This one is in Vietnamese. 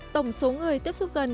tổng số người tiếp xúc gần